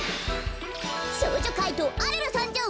少女怪盗アルルさんじょう！